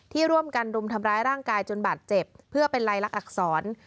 ร่วมกันรุมทำร้ายร่างกายจนบาดเจ็บเพื่อเป็นลายลักษร